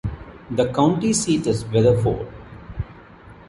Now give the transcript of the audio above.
The county seat is Weatherford.